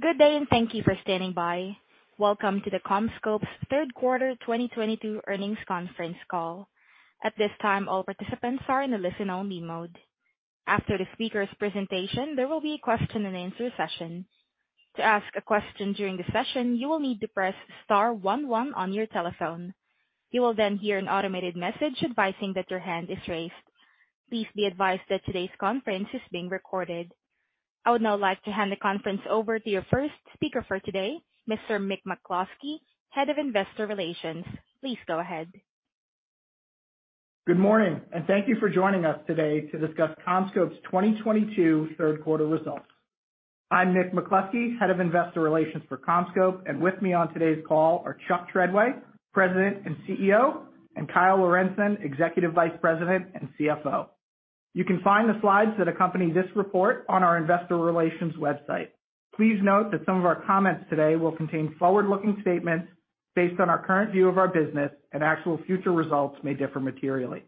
Good day, and thank you for standing by. Welcome to CommScope's third quarter 2022 earnings conference call. At this time, all participants are in a listen-only mode. After the speaker's presentation, there will be a question-and-answer session. To ask a question during the session, you will need to press star one one on your telephone. You will then hear an automated message advising that your hand is raised. Please be advised that today's conference is being recorded. I would now like to hand the conference over to your first speaker for today, Mr. Mick McCloskey, Head of Investor Relations. Please go ahead. Good morning, and thank you for joining us today to discuss CommScope's 2022 third quarter results. I'm Mick McCloskey, Head of Investor Relations for CommScope, and with me on today's call are Chuck Treadway, President and CEO, and Kyle Lorentzen, Executive Vice President and CFO. You can find the slides that accompany this report on our investor relations website. Please note that some of our comments today will contain forward-looking statements based on our current view of our business and actual future results may differ materially.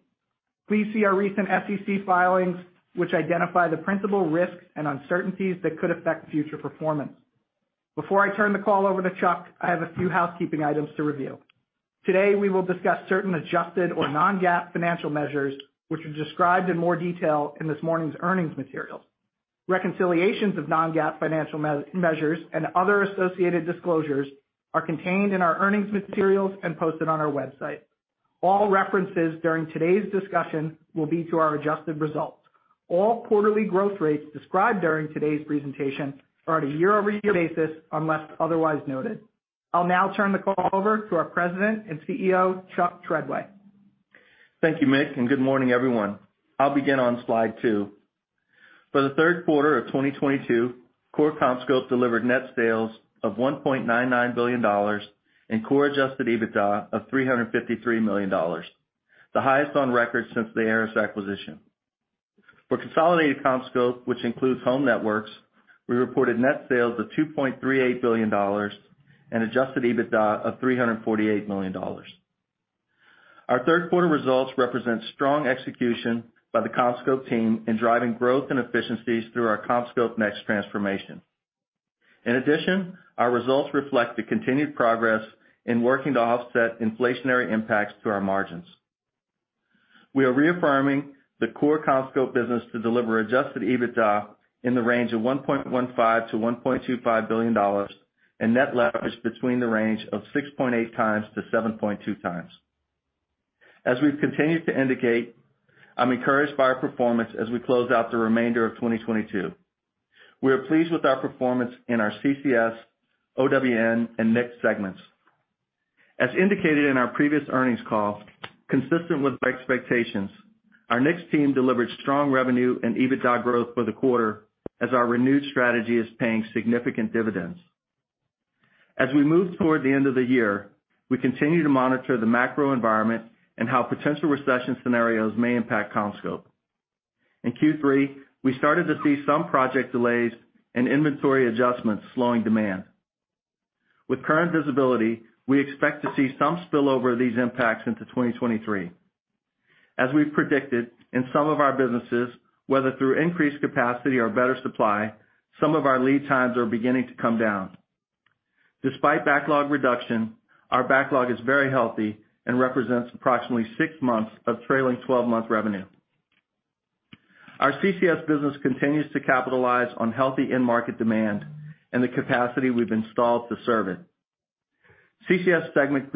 Please see our recent SEC filings, which identify the principal risks and uncertainties that could affect future performance. Before I turn the call over to Chuck, I have a few housekeeping items to review. Today, we will discuss certain adjusted or non-GAAP financial measures, which are described in more detail in this morning's earnings materials. Reconciliations of non-GAAP financial measures and other associated disclosures are contained in our earnings materials and posted on our website. All references during today's discussion will be to our adjusted results. All quarterly growth rates described during today's presentation are at a year-over-year basis, unless otherwise noted. I'll now turn the call over to our President and CEO, Chuck Treadway. Thank you, Mick, and good morning, everyone. I'll begin on slide two. For the third quarter of 2022, core CommScope delivered net sales of $1.99 billion and core adjusted EBITDA of $353 million, the highest on record since the ARRIS acquisition. For consolidated CommScope, which includes Home Networks, we reported net sales of $2.38 billion and adjusted EBITDA of $348 million. Our third quarter results represent strong execution by the CommScope team in driving growth and efficiencies through our CommScope NEXT transformation. In addition, our results reflect the continued progress in working to offset inflationary impacts to our margins. We are reaffirming the core CommScope business to deliver adjusted EBITDA in the range of $1.15 billion-$1.25 billion and net leverage between the range of 6.8x-7.2x. As we've continued to indicate, I'm encouraged by our performance as we close out the remainder of 2022. We are pleased with our performance in our CCS, OWN, and NICS segments. As indicated in our previous earnings call, consistent with our expectations, our NICS team delivered strong revenue and EBITDA growth for the quarter as our renewed strategy is paying significant dividends. As we move toward the end of the year, we continue to monitor the macro environment and how potential recession scenarios may impact CommScope. In Q3, we started to see some project delays and inventory adjustments slowing demand. With current visibility, we expect to see some spillover of these impacts into 2023. As we've predicted, in some of our businesses, whether through increased capacity or better supply, some of our lead times are beginning to come down. Despite backlog reduction, our backlog is very healthy and represents approximately six months of trailing 12-month revenue. Our CCS business continues to capitalize on healthy end market demand and the capacity we've installed to serve it. CCS segment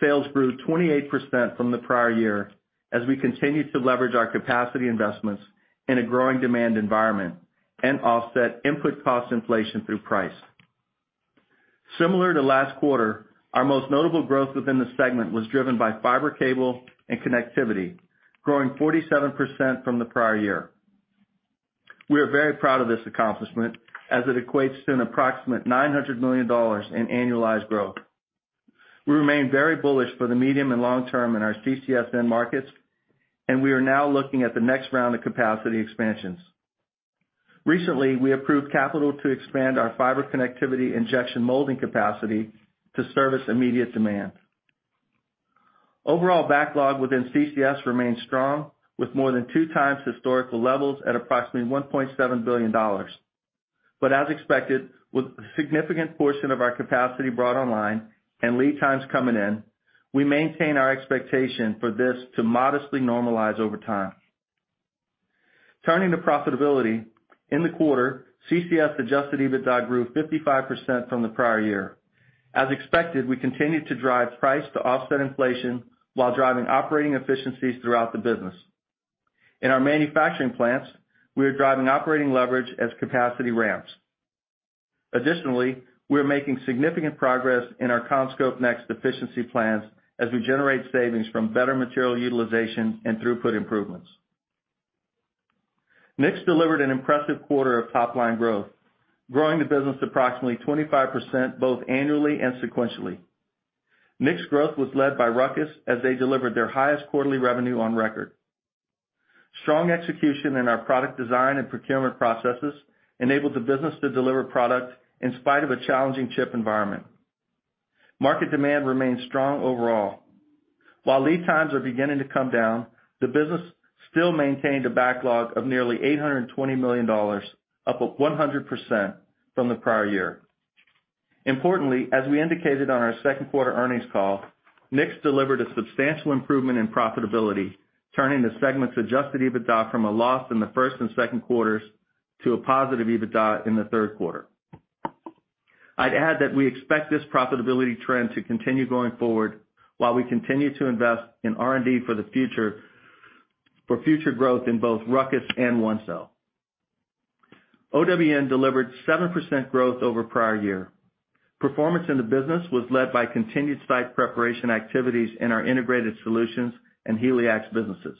sales grew 28% from the prior year as we continue to leverage our capacity investments in a growing demand environment and offset input cost inflation through price. Similar to last quarter, our most notable growth within the segment was driven by fiber cable and connectivity, growing 47% from the prior year. We are very proud of this accomplishment as it equates to an approximate $900 million in annualized growth. We remain very bullish for the medium and long term in our CCS end markets, and we are now looking at the next round of capacity expansions. Recently, we approved capital to expand our fiber connectivity injection molding capacity to service immediate demand. Overall backlog within CCS remains strong with more than 2 times historical levels at approximately $1.7 billion. As expected, with a significant portion of our capacity brought online and lead times coming in, we maintain our expectation for this to modestly normalize over time. Turning to profitability, in the quarter, CCS adjusted EBITDA grew 55% from the prior year. As expected, we continued to drive price to offset inflation while driving operating efficiencies throughout the business. In our manufacturing plants, we are driving operating leverage as capacity ramps. Additionally, we are making significant progress in our CommScope NEXT efficiency plans as we generate savings from better material utilization and throughput improvements. NICS delivered an impressive quarter of top-line growth, growing the business approximately 25%, both annually and sequentially. NICS growth was led by RUCKUS as they delivered their highest quarterly revenue on record. Strong execution in our product design and procurement processes enabled the business to deliver product in spite of a challenging chip environment. Market demand remains strong overall. While lead times are beginning to come down, the business still maintained a backlog of nearly $820 million, up over 100% from the prior year. Importantly, as we indicated on our second quarter earnings call, NICS delivered a substantial improvement in profitability, turning the segment's adjusted EBITDA from a loss in the first and second quarters to a positive EBITDA in the third quarter. I'd add that we expect this profitability trend to continue going forward while we continue to invest in R&D for the future, for future growth in both RUCKUS and ONECELL. OWN delivered 7% growth over prior year. Performance in the business was led by continued site preparation activities in our integrated solutions and HELIAX businesses.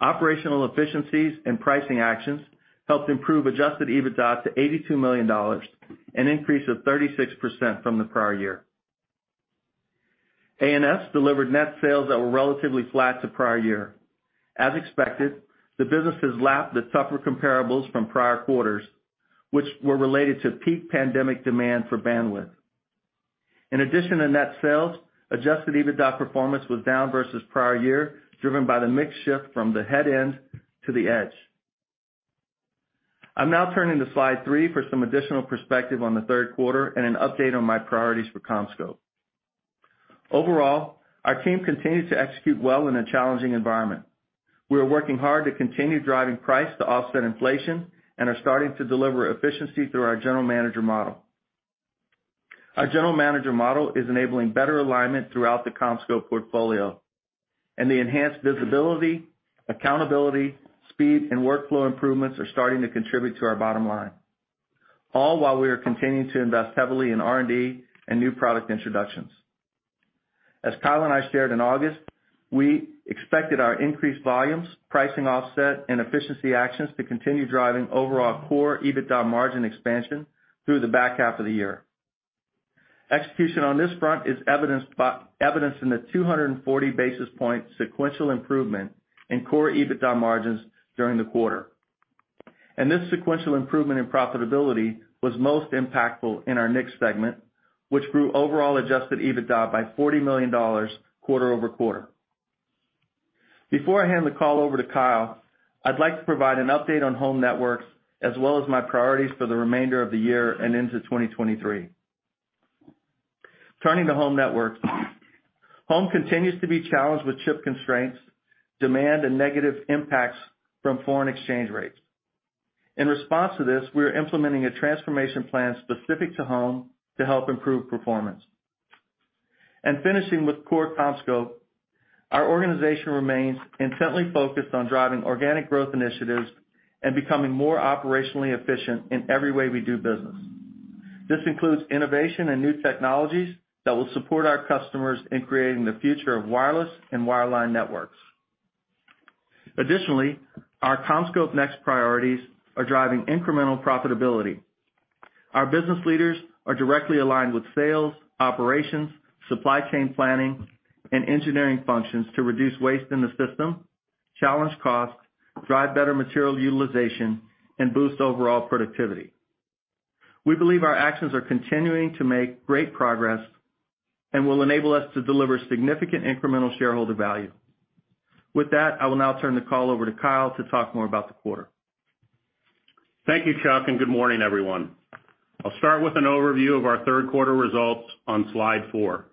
Operational efficiencies and pricing actions helped improve adjusted EBITDA to $82 million, an increase of 36% from the prior year. ANS delivered net sales that were relatively flat to prior year. As expected, the businesses lapped the tougher comparables from prior quarters, which were related to peak pandemic demand for bandwidth. In addition to net sales, adjusted EBITDA performance was down versus prior year, driven by the mix shift from the headend to the edge. I'll now turn to slide three for some additional perspective on the third quarter and an update on my priorities for CommScope. Overall, our team continues to execute well in a challenging environment. We are working hard to continue driving price to offset inflation and are starting to deliver efficiency through our general manager model. Our general manager model is enabling better alignment throughout the CommScope portfolio, and the enhanced visibility, accountability, speed, and workflow improvements are starting to contribute to our bottom line, all while we are continuing to invest heavily in R&D and new product introductions. As Kyle and I shared in August, we expected our increased volumes, pricing offset, and efficiency actions to continue driving overall core EBITDA margin expansion through the back half of the year. Execution on this front is evidenced in the 240 basis point sequential improvement in core EBITDA margins during the quarter. This sequential improvement in profitability was most impactful in our NICS segment, which grew overall adjusted EBITDA by $40 million quarter-over-quarter. Before I hand the call over to Kyle, I'd like to provide an update on Home Networks as well as my priorities for the remainder of the year and into 2023. Turning to Home Networks, Home continues to be challenged with chip constraints, demand and negative impacts from foreign exchange rates. In response to this, we are implementing a transformation plan specific to Home to help improve performance. Finishing with core CommScope, our organization remains intently focused on driving organic growth initiatives and becoming more operationally efficient in every way we do business. This includes innovation and new technologies that will support our customers in creating the future of wireless and wireline networks. Additionally, our CommScope NEXT priorities are driving incremental profitability. Our business leaders are directly aligned with sales, operations, supply chain planning, and engineering functions to reduce waste in the system, challenge costs, drive better material utilization, and boost overall productivity. We believe our actions are continuing to make great progress and will enable us to deliver significant incremental shareholder value. With that, I will now turn the call over to Kyle to talk more about the quarter. Thank you, Chuck, and good morning, everyone. I'll start with an overview of our third quarter results on slide four.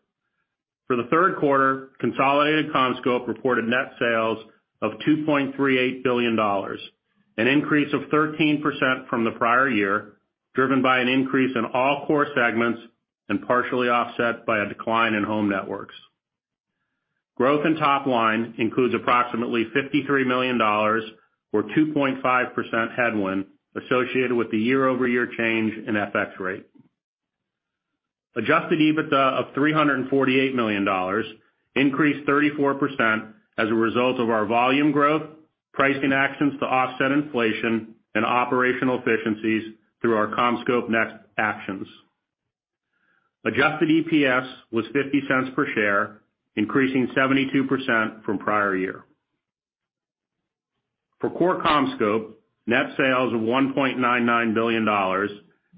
For the third quarter, consolidated CommScope reported net sales of $2.38 billion, an increase of 13% from the prior year, driven by an increase in all core segments and partially offset by a decline in Home Networks. Growth in top line includes approximately $53 million or 2.5% headwind associated with the year-over-year change in FX rate. Adjusted EBITDA of $348 million increased 34% as a result of our volume growth, pricing actions to offset inflation, and operational efficiencies through our CommScope NEXT actions. Adjusted EPS was $0.50 per share, increasing 72% from prior year. For core CommScope, net sales of $1.99 billion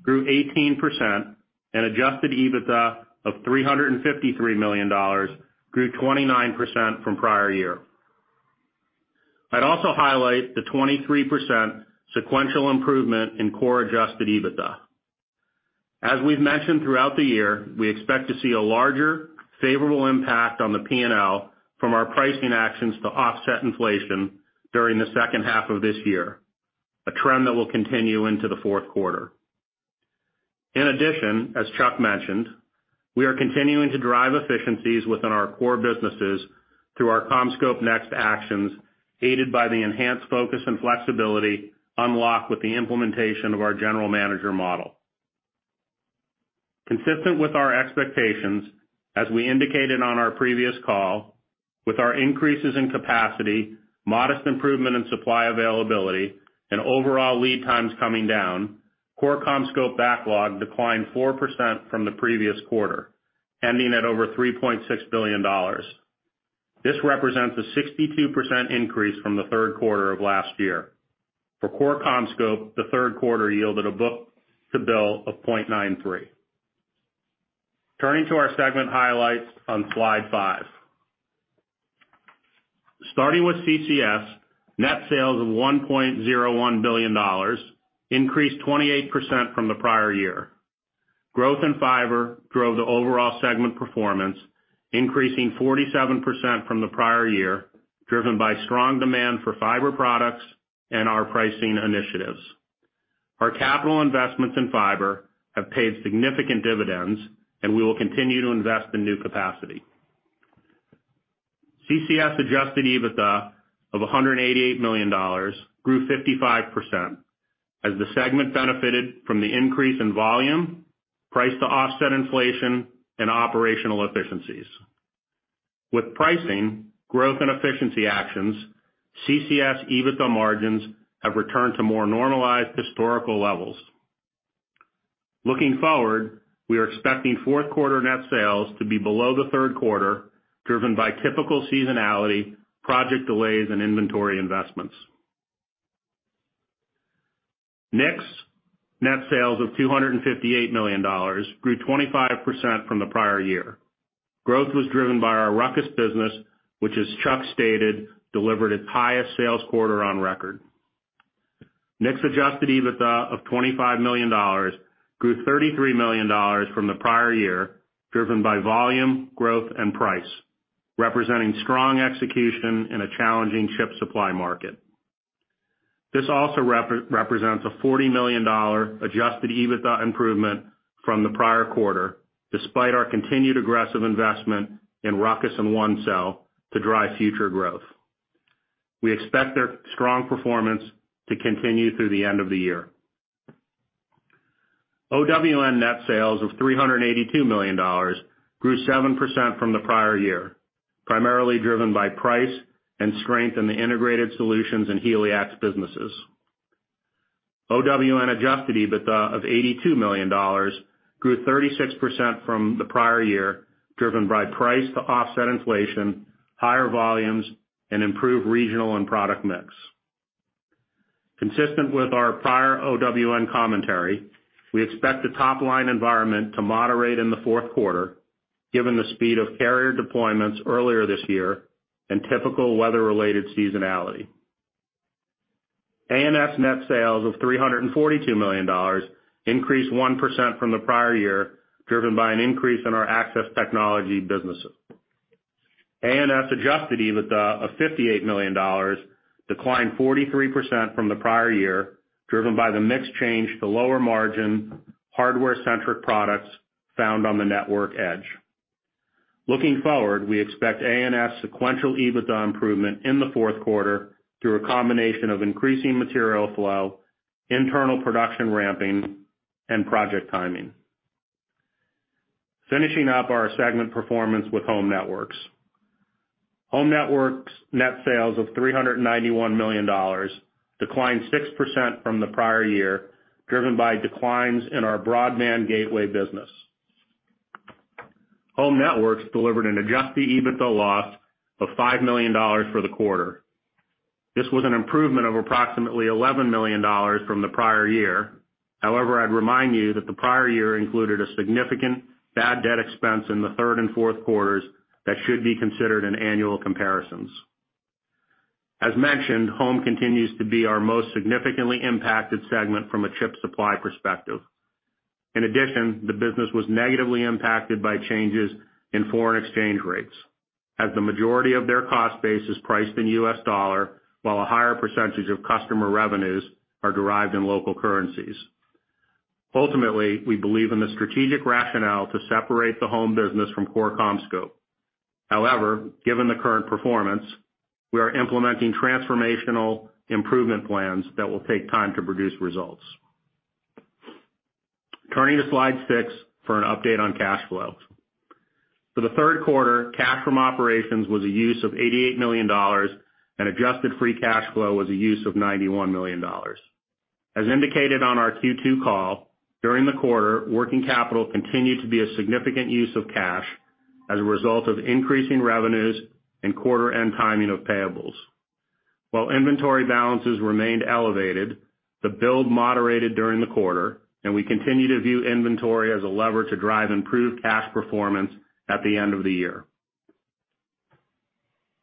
grew 18% and adjusted EBITDA of $353 million grew 29% from prior year. I'd also highlight the 23% sequential improvement in core adjusted EBITDA. As we've mentioned throughout the year, we expect to see a larger favorable impact on the P&L from our pricing actions to offset inflation during the second half of this year, a trend that will continue into the fourth quarter. In addition, as Chuck mentioned, we are continuing to drive efficiencies within our core businesses through our CommScope NEXT actions, aided by the enhanced focus and flexibility unlocked with the implementation of our general manager model. Consistent with our expectations, as we indicated on our previous call, with our increases in capacity, modest improvement in supply availability, and overall lead times coming down, core CommScope backlog declined 4% from the previous quarter, ending at over $3.6 billion. This represents a 62% increase from the third quarter of last year. For core CommScope, the third quarter yielded a book-to-bill of 0.93. Turning to our segment highlights on slide five. Starting with CCS, net sales of $1.01 billion increased 28% from the prior year. Growth in fiber drove the overall segment performance, increasing 47% from the prior year, driven by strong demand for fiber products and our pricing initiatives. Our capital investments in fiber have paid significant dividends, and we will continue to invest in new capacity. CCS adjusted EBITDA of $188 million grew 55% as the segment benefited from the increase in volume, price to offset inflation, and operational efficiencies. With pricing, growth, and efficiency actions, CCS EBITDA margins have returned to more normalized historical levels. Looking forward, we are expecting fourth quarter net sales to be below the third quarter, driven by typical seasonality, project delays, and inventory investments. NICS's net sales of $258 million grew 25% from the prior year. Growth was driven by our RUCKUS business, which as Chuck stated, delivered its highest sales quarter on record. NICS's adjusted EBITDA of $25 million grew $33 million from the prior year, driven by volume, growth, and price, representing strong execution in a challenging chip supply market. This also represents a $40 million adjusted EBITDA improvement from the prior quarter, despite our continued aggressive investment in RUCKUS and ONECELL to drive future growth. We expect their strong performance to continue through the end of the year. OWN net sales of $382 million grew 7% from the prior year, primarily driven by price and strength in the integrated solutions and HELIAX businesses. OWN adjusted EBITDA of $82 million grew 36% from the prior year, driven by price to offset inflation, higher volumes, and improved regional and product mix. Consistent with our prior OWN commentary, we expect the top-line environment to moderate in the fourth quarter given the speed of carrier deployments earlier this year and typical weather-related seasonality. ANS's net sales of $342 million increased 1% from the prior year, driven by an increase in our access technology businesses. ANS's adjusted EBITDA of $58 million declined 43% from the prior year, driven by the mix change to lower margin hardware-centric products found on the network edge. Looking forward, we expect ANS's sequential EBITDA improvement in the fourth quarter through a combination of increasing material flow, internal production ramping, and project timing. Finishing up our segment performance with Home Networks. Home Networks net sales of $391 million declined 6% from the prior year, driven by declines in our broadband gateway business. Home Networks delivered an adjusted EBITDA loss of $5 million for the quarter. This was an improvement of approximately $11 million from the prior year. However, I'd remind you that the prior year included a significant bad debt expense in the third and fourth quarters that should be considered in annual comparisons. As mentioned, Home continues to be our most significantly impacted segment from a chip supply perspective. In addition, the business was negatively impacted by changes in foreign exchange rates, as the majority of their cost base is priced in U.S. dollar, while a higher percentage of customer revenues are derived in local currencies. Ultimately, we believe in the strategic rationale to separate the Home business from core CommScope. However, given the current performance, we are implementing transformational improvement plans that will take time to produce results. Turning to slide six for an update on cash flow. For the third quarter, cash from operations was a use of $88 million and adjusted free cash flow was a use of $91 million. As indicated on our Q2 call, during the quarter, working capital continued to be a significant use of cash as a result of increasing revenues and quarter end timing of payables. While inventory balances remained elevated, the build moderated during the quarter, and we continue to view inventory as a lever to drive improved cash performance at the end of the year.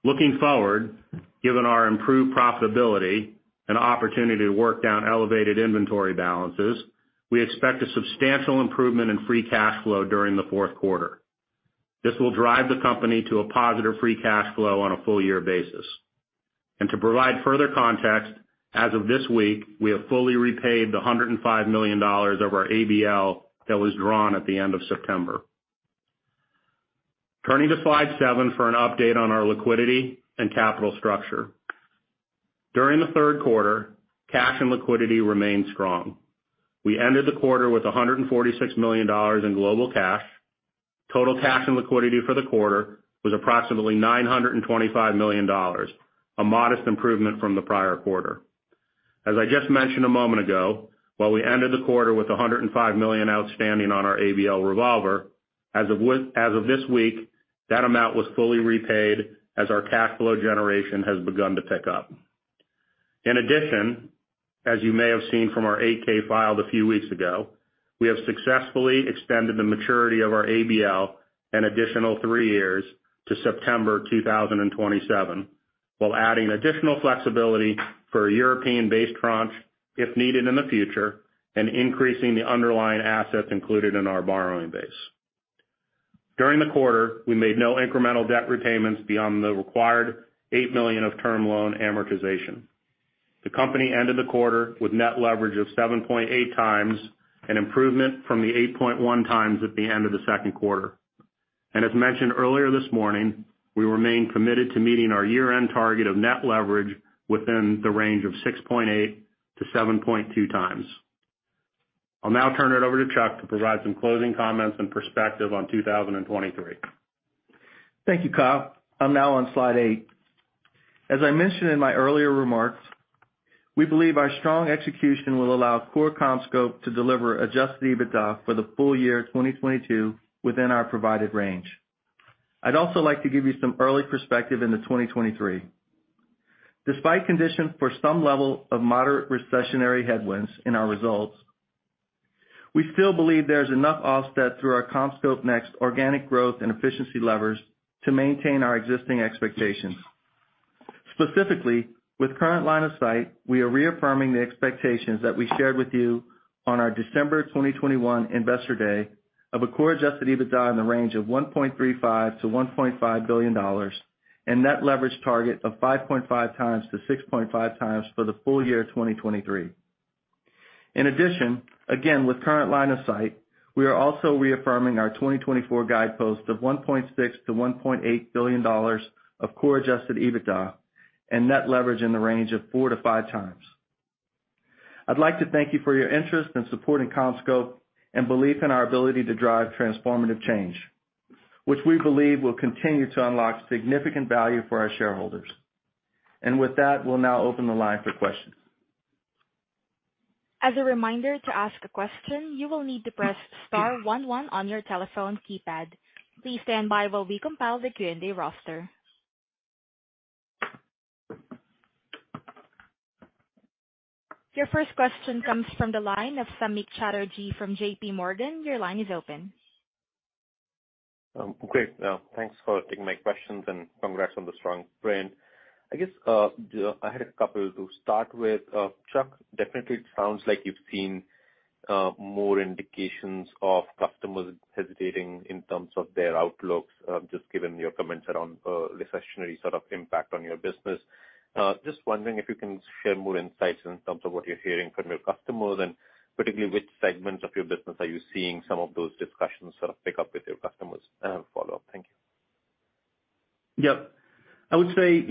Looking forward, given our improved profitability and opportunity to work down elevated inventory balances, we expect a substantial improvement in free cash flow during the fourth quarter. This will drive the company to a positive free cash flow on a full year basis. To provide further context, as of this week, we have fully repaid the $105 million of our ABL that was drawn at the end of September. Turning to slide seven for an update on our liquidity and capital structure. During the third quarter, cash and liquidity remained strong. We ended the quarter with $146 million in global cash. Total cash and liquidity for the quarter was approximately $925 million, a modest improvement from the prior quarter. As I just mentioned a moment ago, while we ended the quarter with $105 million outstanding on our ABL revolver, as of this week, that amount was fully repaid as our cash flow generation has begun to pick up. In addition, as you may have seen from our 8-K filed a few weeks ago, we have successfully extended the maturity of our ABL an additional three years to September 2027, while adding additional flexibility for a European-based tranche if needed in the future, and increasing the underlying assets included in our borrowing base. During the quarter, we made no incremental debt retainments beyond the required $8 million of term loan amortization. The company ended the quarter with net leverage of 7.8x, an improvement from the 8.1x at the end of the second quarter. As mentioned earlier this morning, we remain committed to meeting our year-end target of net leverage within the range of 6.8x-7.2x. I'll now turn it over to Chuck to provide some closing comments and perspective on 2023. Thank you, Kyle. I'm now on slide eight. As I mentioned in my earlier remarks, we believe our strong execution will allow core CommScope to deliver adjusted EBITDA for the full year 2022 within our provided range. I'd also like to give you some early perspective into 2023. Despite conditions for some level of moderate recessionary headwinds in our results, we still believe there's enough offset through our CommScope NEXT organic growth and efficiency levers to maintain our existing expectations. Specifically, with current line of sight, we are reaffirming the expectations that we shared with you on our December 2021 investor day of a core adjusted EBITDA in the range of $1.35 billion-$1.5 billion and net leverage target of 5.5x-6.5x for the full year 2023. In addition, again, with current line of sight, we are also reaffirming our 2024 guideposts of $1.6 billion-$1.8 billion of core adjusted EBITDA and net leverage in the range of 4x-5x. I'd like to thank you for your interest in supporting CommScope and belief in our ability to drive transformative change, which we believe will continue to unlock significant value for our shareholders. With that, we'll now open the line for questions. As a reminder, to ask a question, you will need to press star one one on your telephone keypad. Please stand by while we compile the Q&A roster. Your first question comes from the line of Samik Chatterjee from JPMorgan. Your line is open. Great. Thanks for taking my questions and congrats on the strong brand. I guess, I had a couple to start with. Chuck, definitely it sounds like you've seen more indications of customers hesitating in terms of their outlooks, just given your comments around recessionary impact on your business. Just wondering if you can share more insights in terms of what you're hearing from your customers, and particularly which segments of your business are you seeing some of those discussions pick up with your customers? I have a follow-up. Thank you. Yep. I would say,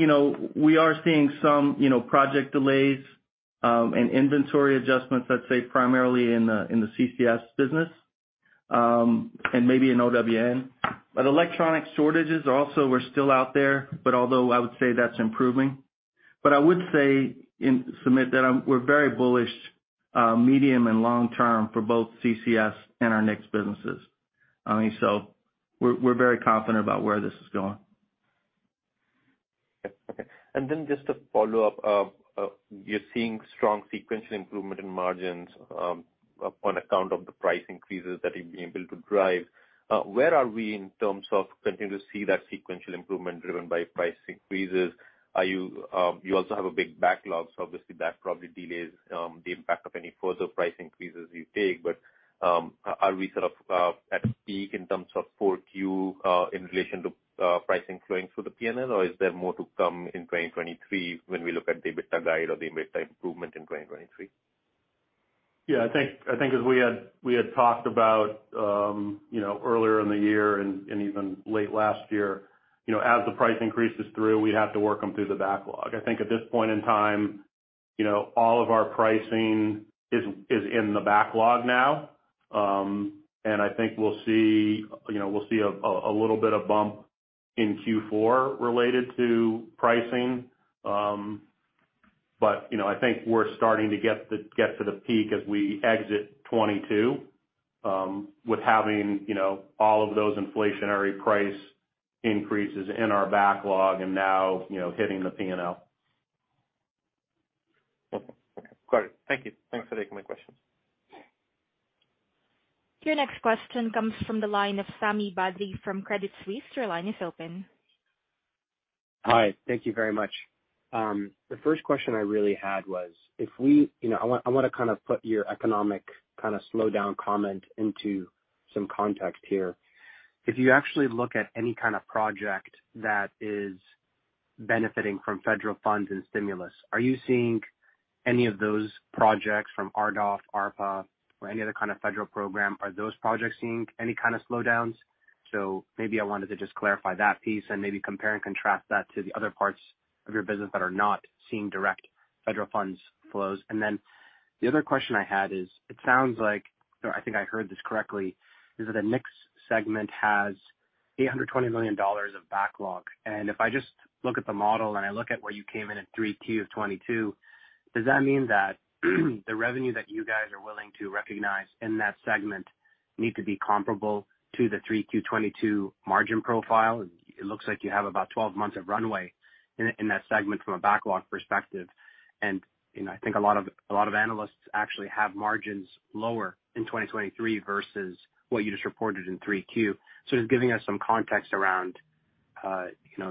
we are seeing some project delays, and inventory adjustments, let's say, primarily in the CCS business, and maybe in OWN. Electronic shortages also are still out there, but although I would say that's improving. I would say, we're very bullish, medium and long-term for both CCS and our NICS businesses. I mean, we're very confident about where this is going. Okay. Just to follow up, you're seeing strong sequential improvement in margins, on account of the price increases that you've been able to drive. Where are we in terms of continuing to see that sequential improvement driven by price increases? Are you also have a big backlog, so obviously that probably delays, the impact of any further price increases you take. Are we at peak in terms of 4Q, in relation to, pricing flowing through the P&L? Or is there more to come in 2023 when we look at the EBITDA guide or the EBITDA improvement in 2023? Yeah, I think as we had talked about earlier in the year and even late last year, as the price increases through, we'd have to work them through the backlog. I think at this point in time, all of our pricing is in the backlog now. I think we'll see a little bit of bump in Q4 related to pricing. I think we're starting to get to the peak as we exit 2022, with having all of those inflationary price increases in our backlog and now hitting the P&L. Okay. Got it. Thank you. Thanks for taking my questions. Your next question comes from the line of Sami Badri from Credit Suisse. Your line is open. Hi. Thank you very much. The first question I really had was, I want, I wanna put your economic kinda slowdown comment into some context here. If you actually look at any project that is benefiting from federal funds and stimulus, are you seeing any of those projects from RDOF, ARPA, or any other federal program, are those projects seeing any kind of slowdowns? Maybe I wanted to just clarify that piece and maybe compare and contrast that to the other parts of your business that are not seeing direct federal funds flows. The other question I had is, it sounds like, or I think I heard this correctly, is that the NICS segment has $820 million of backlog. If I just look at the model, and I look at where you came in at 3Q of 2022, does that mean that the revenue that you guys are willing to recognize in that segment need to be comparable to the 3Q 2022 margin profile? It looks like you have about 12 months of runway in that segment from a backlog perspective. I think a lot of analysts actually have margins lower in 2023 versus what you just reported in 3Q. Just giving us some context around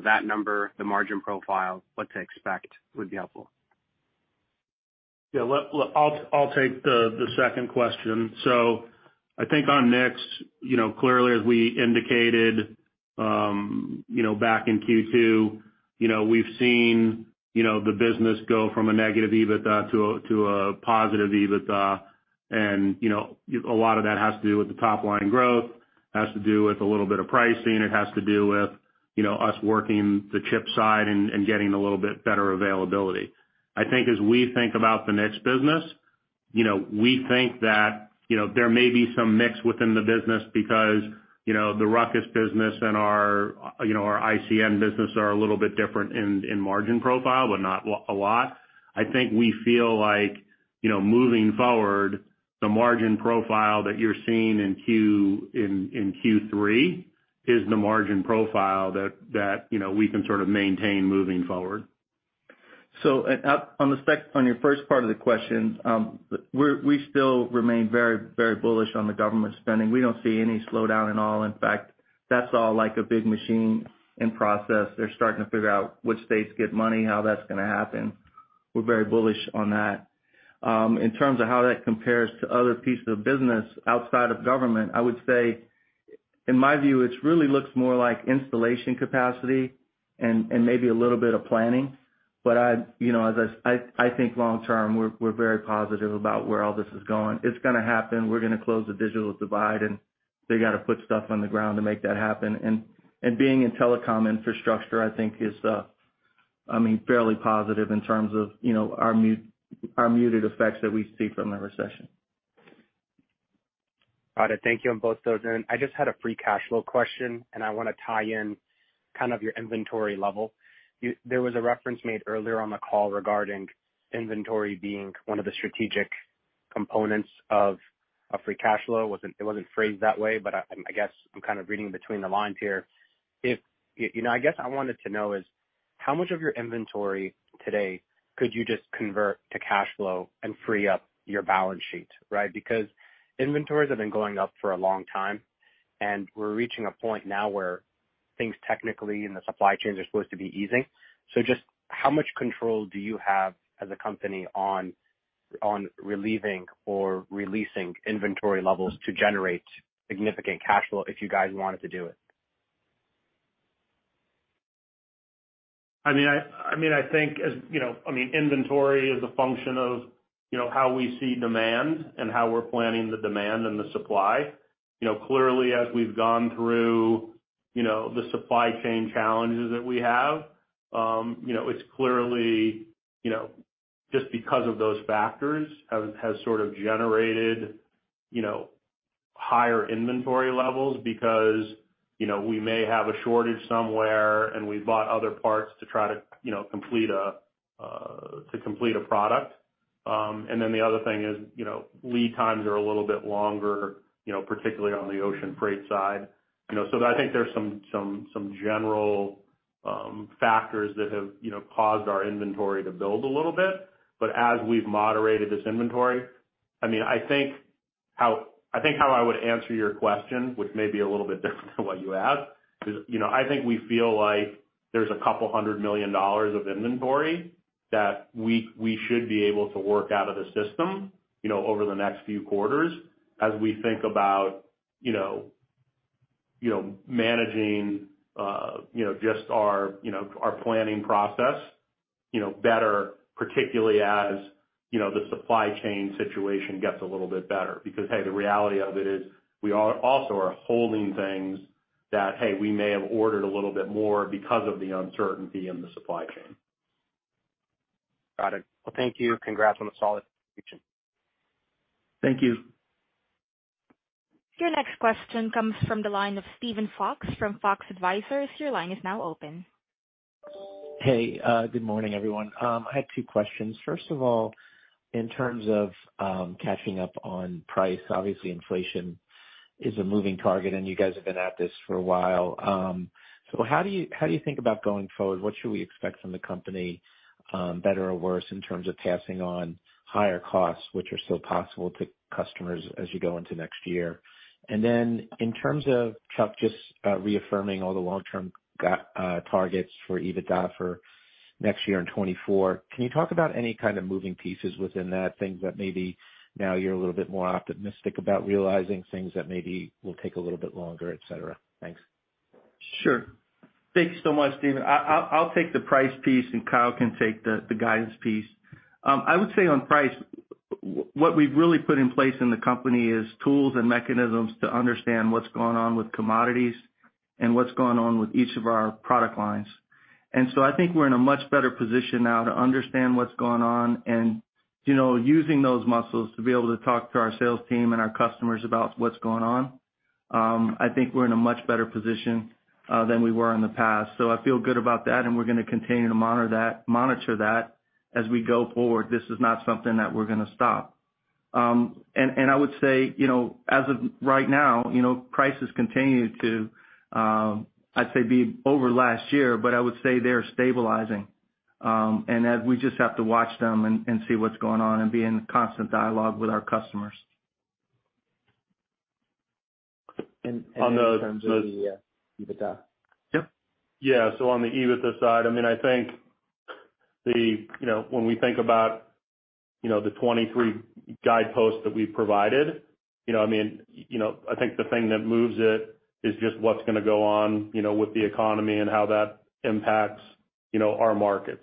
that number, the margin profile, what to expect would be helpful. Yeah. I'll take the second question. I think on NICS, clearly, as we indicated back in Q2, we've seen the business go from a negative EBITDA to a positive EBITDA. A lot of that has to do with the top-line growth, has to do with a little bit of pricing. It has to do with us working the chip side and getting a little bit better availability. I think as we think about the NICS business, we think that there may be some mix within the business because the RUCKUS business and our NICS business are a little bit different in margin profile, but not a lot. I think we feel like, moving forward, the margin profile that you're seeing in Q3 is the margin profile that we can maintain moving forward. On your first part of the question, we still remain very, very bullish on the government spending. We don't see any slowdown at all. In fact, that's all like a big machine in process. They're starting to figure out which states get money, how that's gonna happen. We're very bullish on that. In terms of how that compares to other pieces of business outside of government, I would say in my view, it really looks more like installation capacity and maybe a little bit of planning. I think long term, we're very positive about where all this is going. It's gonna happen. We're gonna close the digital divide, and they gotta put stuff on the ground to make that happen. Being in telecom infrastructure, I think is fairly positive in terms of our muted effects that we see from the recession. Got it. Thank you on both those. I just had a free cash flow question, and I wanna tie in kind of your inventory level. There was a reference made earlier on the call regarding inventory being one of the strategic components of free cash flow. It wasn't phrased that way, but I guess I'm reading between the lines here. If you know, I guess I wanted to know is, how much of your inventory today could you just convert to cash flow and free up your balance sheet, right? Because inventories have been going up for a long time, and we're reaching a point now where things technically in the supply chains are supposed to be easing. Just how much control do you have as a company on relieving or releasing inventory levels to generate significant cash flow if you guys wanted to do it? I mean, I think, I mean, inventory is a function of how we see demand and how we're planning the demand and the supply. Clearly, as we've gone through the supply chain challenges that we have, you know, it's clearly just because of those factors has generated higher inventory levels because we may have a shortage somewhere, and we bought other parts to try to complete a product. Then the other thing is lead times are a little bit longer, particularly on the ocean freight side. So I think there's some general factors that have caused our inventory to build a little bit. As we've moderated this inventory, I mean, I think how I would answer your question, which may be a little bit different than what you asked, is, I think we feel like there's $200 million of inventory that we should be able to work out of the system over the next few quarters as we think about managing, just our planning process better, particularly as, you know, the supply chain situation gets a little bit better. Hey, the reality of it is we are also holding things that, hey, we may have ordered a little bit more because of the uncertainty in the supply chain. Got it. Well, thank you. Congrats on a solid Thank you. Your next question comes from the line of Steven Fox from Fox Advisors. Your line is now open. Hey, good morning, everyone. I had two questions. First of all, in terms of catching up on price, obviously inflation is a moving target, and you guys have been at this for a while. So how do you think about going forward? What should we expect from the company, better or worse in terms of passing on higher costs which are still possible to customers as you go into next year? And then in terms of, Chuck, just reaffirming all the long-term targets for EBITDA for next year in 2024, can you talk about any moving pieces within that, things that maybe now you're a little bit more optimistic about realizing, things that maybe will take a little bit longer, et cetera? Thanks. Sure. Thank you so much, Steven. I'll take the price piece, and Kyle can take the guidance piece. I would say on price, what we've really put in place in the company is tools and mechanisms to understand what's going on with commodities and what's going on with each of our product lines. I think we're in a much better position now to understand what's going on and using those muscles to be able to talk to our sales team and our customers about what's going on. I think we're in a much better position than we were in the past. I feel good about that, and we're gonna continue to monitor that as we go forward. This is not something that we're gonna stop. I would say, as of right now, prices continue to, I'd say be over last year, but I would say they're stabilizing. As we just have to watch them and see what's going on and be in constant dialogue with our customers. In terms of the EBITDA? Yep. Yeah. On the EBITDA side, I mean, I think the, you know, when we think about the 2023 guideposts that we've provided, I mean, I think the thing that moves it is just what's gonna go on with the economy and how that impacts our markets.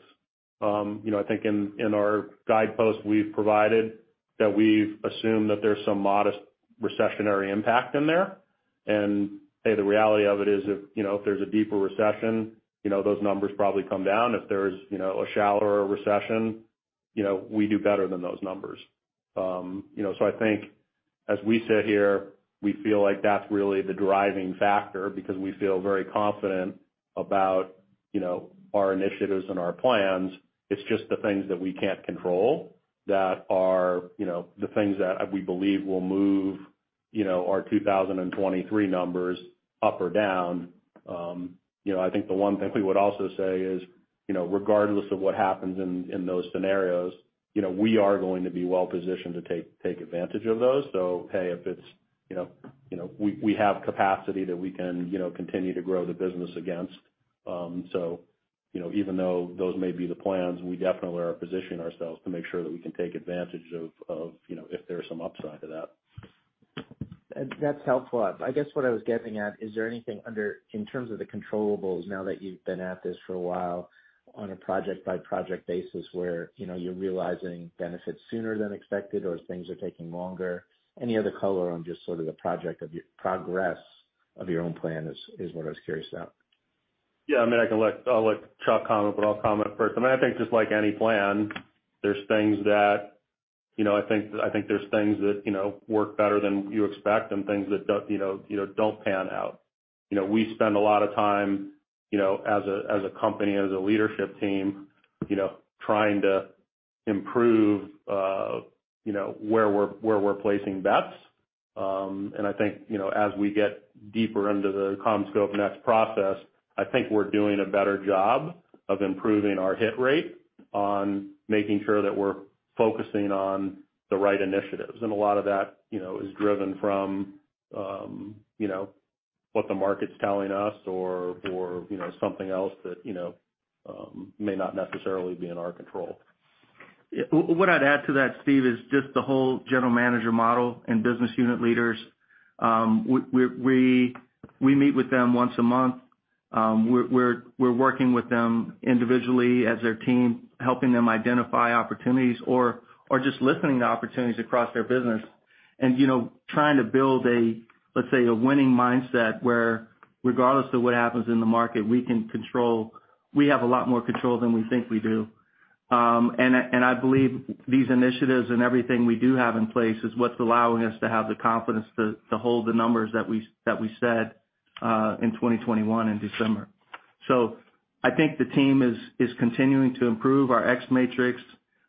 I think in our guideposts we've provided that we've assumed that there's some modest recessionary impact in there. Hey, the reality of it is if there's a deeper recession, those numbers probably come down. If there's a shallower recession, we do better than those numbers. So I think as we sit here, we feel like that's really the driving factor because we feel very confident about our initiatives and our plans. It's just the things that we can't control that are the things that we believe will move our 2023 numbers up or down. I think the one thing we would also say is, regardless of what happens in those scenarios, we are going to be well positioned to take advantage of those. Hey, if it's, you know, we have capacity that we can continue to grow the business against. Even though those may be the plans, we definitely are positioning ourselves to make sure that we can take advantage of, you know, if there's some upside to that. That's helpful. I guess what I was getting at, is there anything in terms of the controllables now that you've been at this for a while on a project-by-project basis where you're realizing benefits sooner than expected or things are taking longer? Any other color on just the progress of your OWN plan is what I was curious about. Yeah. I mean, I'll let Chuck comment, but I'll comment first. I mean, I think just like any plan, there's thing that work better than you expect and things that don't pan out. We spend a lot of time, you know, as a company, as a leadership team trying to improve where we're placing bets. I think, as we get deeper into the CommScope NEXT process, I think we're doing a better job of improving our hit rate on making sure that we're focusing on the right initiatives. A lot of that is driven from what the market's telling us or may not necessarily be in our control. What I'd add to that, Steve, is just the whole general manager model and business unit leaders. We meet with them once a month. We're working with them individually as their team, helping them identify opportunities or just listening to opportunities across their business. Trying to build a, let's say, a winning mindset where regardless of what happens in the market, we have a lot more control than we think we do. I believe these initiatives and everything we do have in place is what's allowing us to have the confidence to hold the numbers that we said in 2021 in December. I think the team is continuing to improve our X matrix,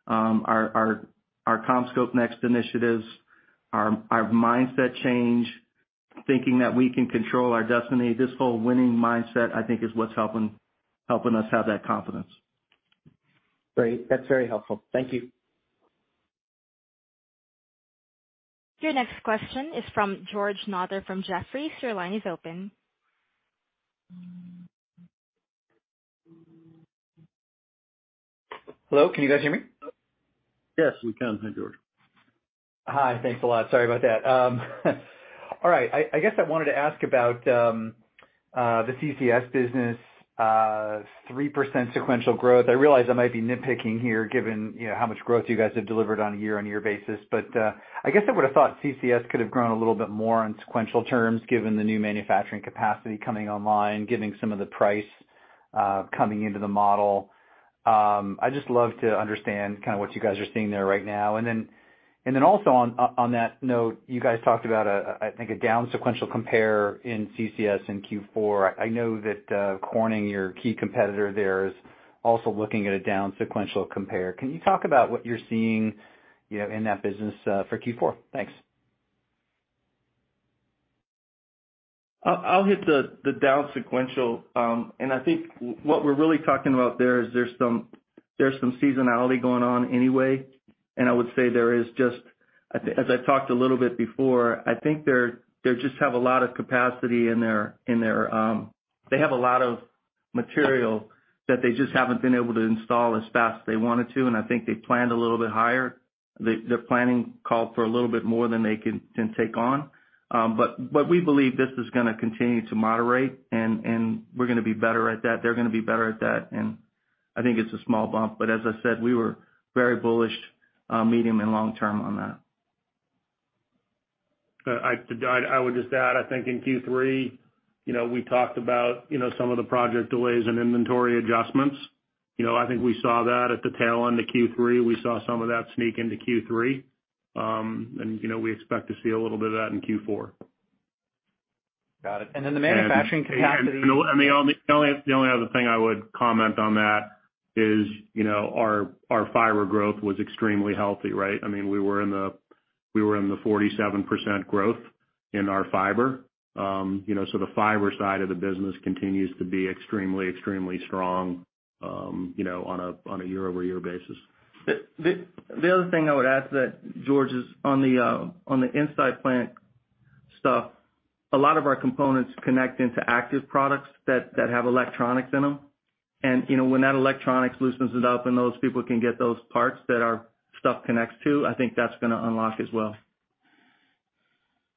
our CommScope NEXT initiatives, our mindset change, thinking that we can control our destiny. This whole winning mindset, I think, is what's helping us have that confidence. Great. That's very helpful. Thank you. Your next question is from George Notter from Jefferies. Your line is open. Hello, can you guys hear me? Yes, we can. Hi, George. Hi. Thanks a lot. Sorry about that. All right. I guess I wanted to ask about the CCS business, 3% sequential growth. I realize I might be nitpicking here given how much growth you guys have delivered on a year-over-year basis. I guess I would have thought CCS could have grown a little bit more on sequential terms given the new manufacturing capacity coming online, given some of the pricing coming into the model. I'd love to understand what you guys are seeing there right now. Then also on that note, you guys talked about, I think, a down sequential compare in CCS in Q4. I know that Corning, your key competitor there, is also looking at a down sequential compare. Can you talk about what you're seeing in that business, for Q4? Thanks. I'll hit the down sequential. I think what we're really talking about there is there's some seasonality going on anyway. I would say there is just, as I talked a little bit before, I think they just have a lot of capacity in their. They have a lot of material that they just haven't been able to install as fast as they wanted to, and I think they planned a little bit higher. Their planning called for a little bit more than they can take on. But we believe this is gonna continue to moderate and we're gonna be better at that. They're gonna be better at that. I think it's a small bump. As I said, we were very bullish, medium and long term on that. I would just add, I think in Q3, we talked about some of the project delays and inventory adjustments. I think we saw that at the tail end of Q3. We saw some of that sneak into Q3. We expect to see a little bit of that in Q4. Got it. The manufacturing capacity. The only other thing I would comment on that is our fiber growth was extremely healthy, right? I mean, we were in the 47% growth in our fiber. The fiber side of the business continues to be extremely strong, on a year-over-year basis. The other thing I would add to that, George, is on the inside plant stuff, a lot of our components connect into active products that have electronics in them. When that electronics loosens it up and those people can get those parts that our stuff connects to, I think that's gonna unlock as well.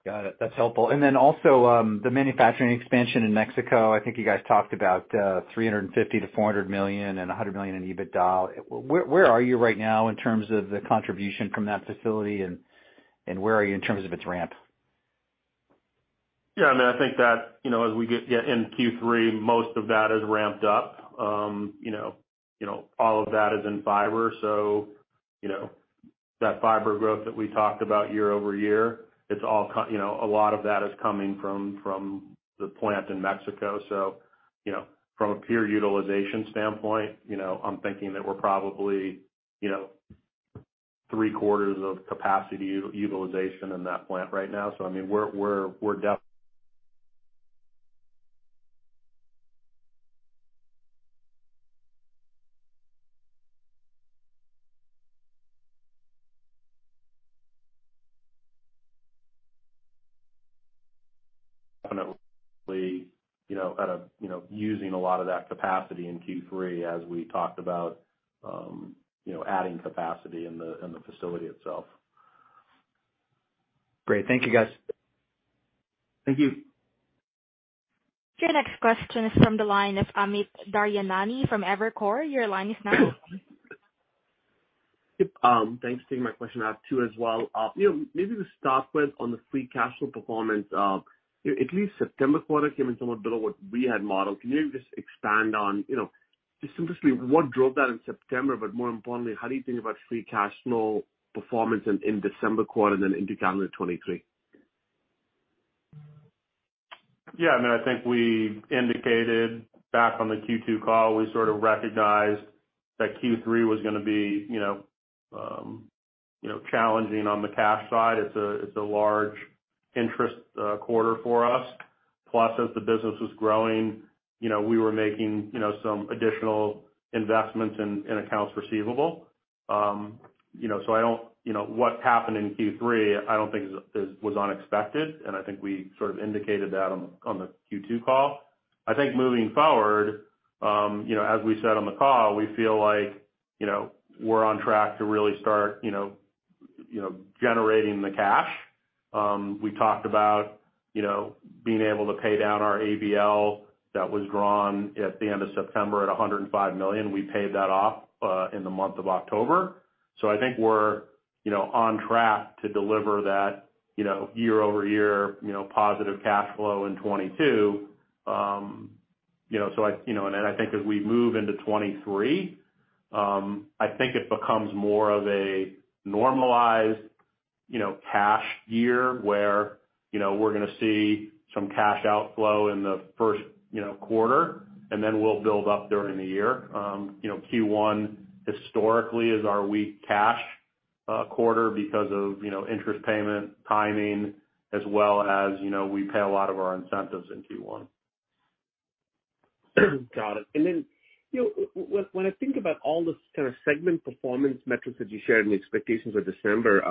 Got it. That's helpful. Then also, the manufacturing expansion in Mexico, I think you guys talked about $350 million-$400 million and $100 million in EBITDA. Where are you right now in terms of the contribution from that facility and where are you in terms of its ramp? Yeah, I mean, I think that as we get in Q3, most of that is ramped up. All of that is in fiber. That fiber growth that we talked about year-over-year, it's all you know, a lot of that is coming from the plant in Mexico. From a pure utilization standpoint, I'm thinking that we're probably three quarters of capacity utilization in that plant right now. I mean, we're definitely using a lot of that capacity in Q3 as we talked about adding capacity in the facility itself. Great. Thank you, guys. Thank you. Your next question is from the line of Amit Daryanani from Evercore. Your line is now open. Yep, thanks for taking my question. I have two as well. Maybe to start with on the free cash flow performance, at least September quarter came in somewhat below what we had modeled. Can you just expand on, you know, just simply what drove that in September, but more importantly, how do you think about free cash flow performance in December quarter and then into calendar 2023? Yeah, I mean, I think we indicated back on the Q2 call, we recognized that Q3 was gonna be challenging on the cash side. It's a large interest quarter for us, plus as the business was growing, we were making some additional investments in accounts receivable. What happened in Q3, I don't think was unexpected, and I think we indicated that on the Q2 call. I think moving forward, as we said on the call, we feel like we're on track to really start generating the cash. We talked about being able to pay down our ABL that was drawn at the end of September at $105 million. We paid that off in the month of October. I think we're on track to deliver that year-over-year positive cash flow in 2022. You know, and then I think as we move into 2023, I think it becomes more of a normalized cash year where we're gonna see some cash outflow in the first quarter and then we'll build up during the year. You know, Q1 historically is our weak cash quarter because of interest payment timing as well as we pay a lot of our incentives in Q1. Got it. When I think about all the segment performance metrics that you shared and the expectations for December,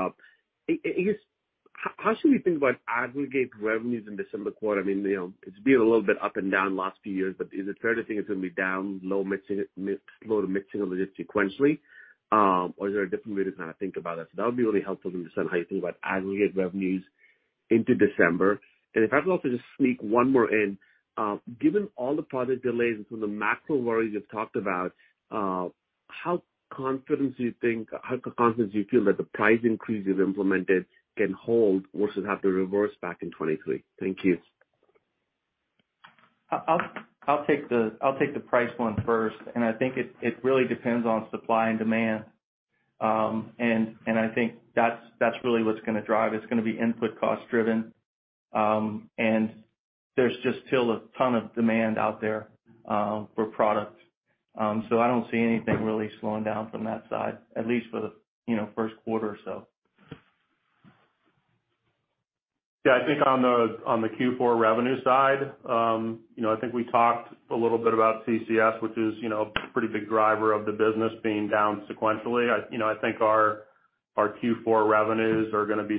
how should we think about aggregate revenues in December quarter? I mean, it's been a little bit up and down last few years, but is it fair to think it's gonna be down low- to mid-single digits sequentially? Or is there a different way to kinda think about it? That would be really helpful to understand how you think about aggregate revenues into December. If I can also just sneak one more in. Given all the product delays and some of the macro worries you've talked about, how confident do you feel that the price increase you've implemented can hold versus have to reverse back in 2023? Thank you. I'll take the price one first. I think it really depends on supply and demand. I think that's really what's gonna drive. It's gonna be input cost driven. There's just still a ton of demand out there for product. I don't see anything really slowing down from that side, at least for the first quarter or so. Yeah. I think on the Q4 revenue side, I think we talked a little bit about CCS, which is a pretty big driver of the business being down sequentially. I think our Q4 revenues are gonna be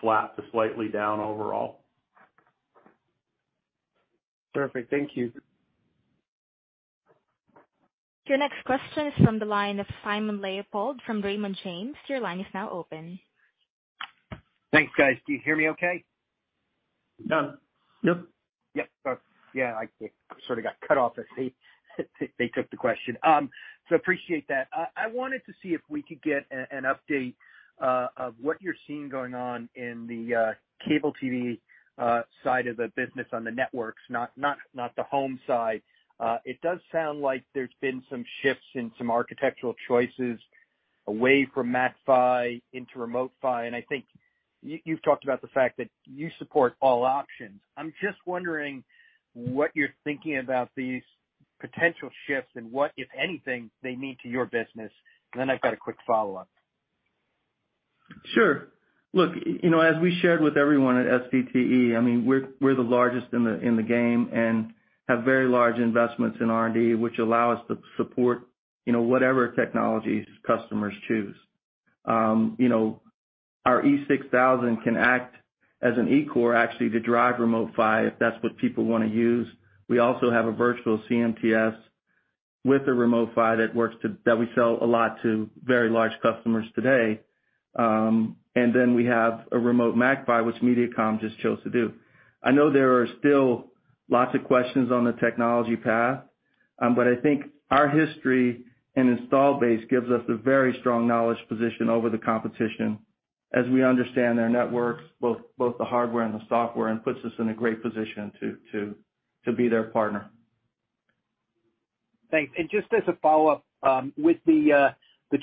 flat to slightly down overall. Perfect. Thank you. Your next question is from the line of Simon Leopold from Raymond James. Your line is now open. Thanks, guys. Can you hear me okay? No. Nope. Yeah. Sorry. Yeah, it got cut off as they took the question. Appreciate that. I wanted to see if we could get an update of what you're seeing going on in the cable TV side of the business on the networks, not the Home side. It does sound like there's been some shifts in some architectural choices away from MACPHY into Remote PHY. I think you've talked about the fact that you support all options. I'm just wondering what you're thinking about these potential shifts and what, if anything, they mean to your business. Then I've got a quick follow-up. Sure. Look, as we shared with everyone at SCTE, I mean, we're the largest in the game and have very large investments in R&D, which allow us to support whatever technologies customers choose. Our E6000 can act as an eCore actually to drive Remote PHY if that's what people wanna use. We also have a virtual CMTS with a Remote PHY that we sell a lot to very large customers today. We have a Remote MACPHY, which Mediacom just chose to do. I know there are still lots of questions on the technology path, but I think our history and install base gives us a very strong knowledge position over the competition as we understand their networks, both the hardware and the software, and puts us in a great position to be their partner. Thanks. Just as a follow-up, with the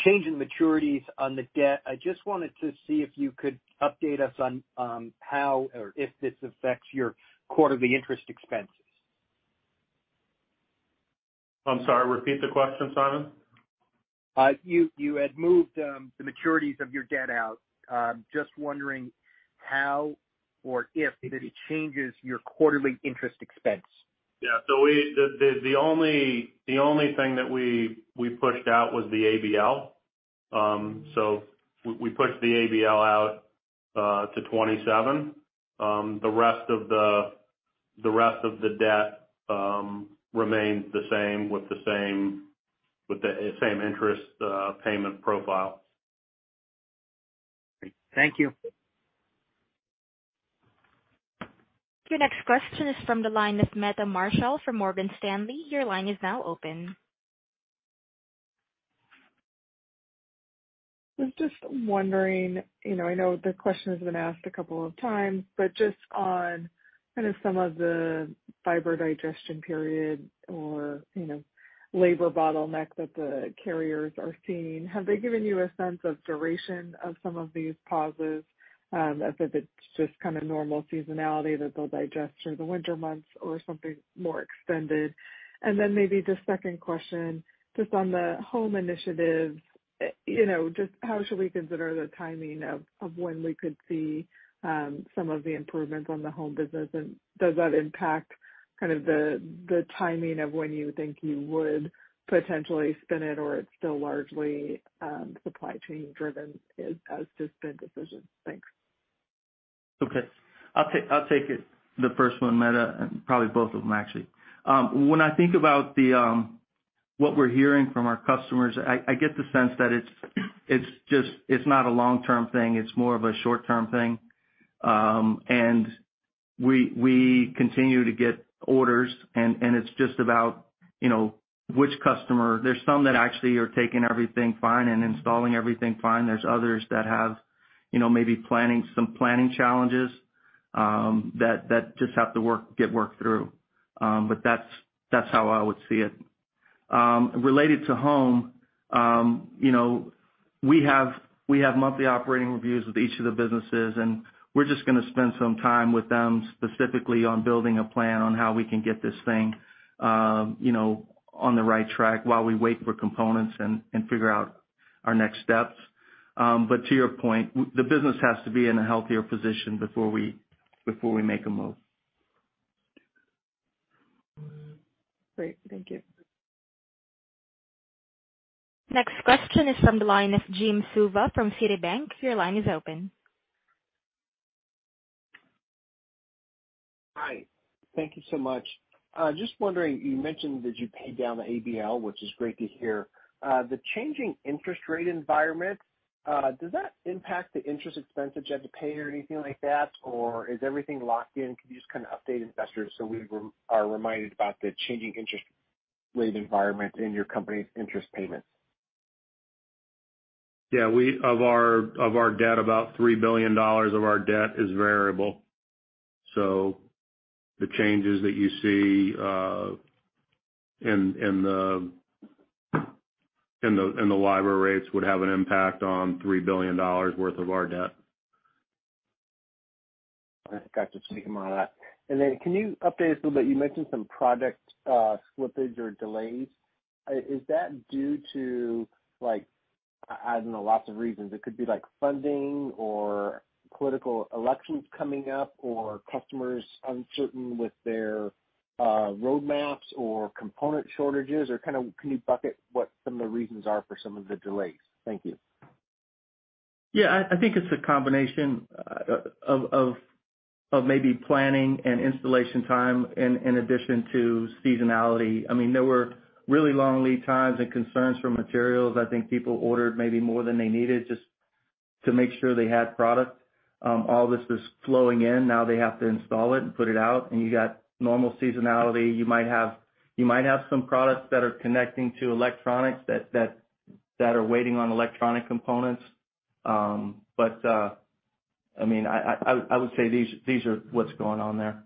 change in maturities on the debt, I just wanted to see if you could update us on how or if this affects your quarterly interest expenses. I'm sorry, repeat the question, Simon. You had moved the maturities of your debt out. Just wondering how or if it changes your quarterly interest expense. The only thing that we pushed out was the ABL. We pushed the ABL out to 27. The rest of the debt remains the same with the same interest payment profile. Great. Thank you. Your next question is from the line of Meta Marshall from Morgan Stanley. Your line is now open. I was just wondering, I know the question has been asked a couple of times, but just on some of the fiber digestion period or labor bottleneck that the carriers are seeing, have they given you a sense of duration of some of these pauses, as if it's just normal seasonality that they'll digest through the winter months or something more extended? Maybe the second question, just on the Home initiatives, just how should we consider the timing of when we could see some of the improvements on the Home business? Does that impact kind of the timing of when you think you would potentially spin it or it's still largely supply chain driven as to spin decision? Thanks. Okay. I'll take it. The first one, Meta, and probably both of them actually. When I think about what we're hearing from our customers, I get the sense that it's just not a long-term thing, it's more of a short-term thing. We continue to get orders and it's just about which customer. There's some that actually are taking everything fine and installing everything fine. There's others that have maybe planning challenges that just have to get worked through. That's how I would see it. Related to Home, we have monthly operating reviews with each of the businesses, and we're just gonna spend some time with them specifically on building a plan on how we can get this thing on the right track while we wait for components and figure out our next steps. To your point, the business has to be in a healthier position before we make a move. Great. Thank you. Next question is from the line of Jim Suva from Citi. Your line is open. Hi. Thank you so much. Just wondering, you mentioned that you paid down the ABL, which is great to hear. The changing interest rate environment, does that impact the interest expense that you have to pay or anything like that? Or is everything locked in? Can you just kinda update investors so we are reminded about the changing interest rate environment in your company's interest payments? Of our debt, about $3 billion of our debt is variable. The changes that you see in the LIBOR rates would have an impact on $3 billion worth of our debt. All right. Gotcha. Thank you much. Then can you update us a little bit, you mentioned some product slippage or delays. Is that due to like, I don't know, lots of reasons, it could be like funding or political elections coming up or customers uncertain with their roadmaps or component shortages? Or can you bucket what some of the reasons are for some of the delays? Thank you. Yeah. I think it's a combination of maybe planning and installation time in addition to seasonality. I mean, there were really long lead times and concerns from materials. I think people ordered maybe more than they needed just to make sure they had product. All this is flowing in, now they have to install it and put it out, and you got normal seasonality. You might have some products that are connecting to electronics that are waiting on electronic components. I mean, I would say these are what's going on there.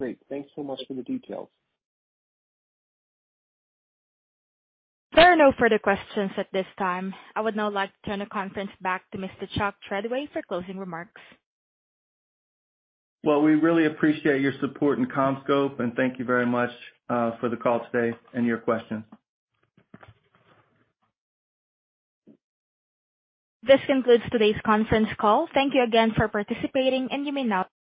Great. Thanks so much for the details. There are no further questions at this time. I would now like to turn the conference back to Mr. Chuck Treadway for closing remarks. Well, we really appreciate your support in CommScope, and thank you very much, for the call today and your questions. This concludes today's conference call. Thank you again for participating and you may now.